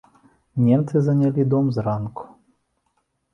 Немцы занялі дом зранку.